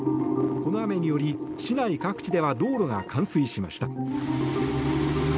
この雨により市内各地では道路が冠水しました。